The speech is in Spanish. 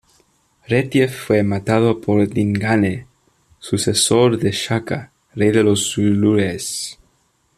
Retief fue matado por Dingane, sucesor de Shaka, rey de los zulúes.